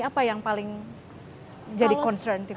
apa yang paling jadi concern tim